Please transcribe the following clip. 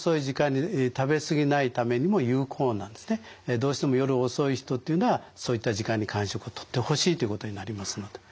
どうしても夜遅い人っていうのはそういった時間に間食をとってほしいということになりますので。